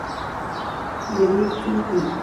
The Mighty B!